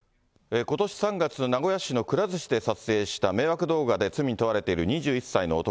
名古屋市のくら寿司で撮影した迷惑動画で罪に問われている２１歳の男。